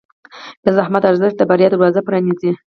د زحمت ارزښت د بریا دروازه پرانیزي.